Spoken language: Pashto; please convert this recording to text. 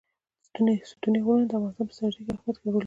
ستوني غرونه د افغانستان په ستراتیژیک اهمیت کې رول لري.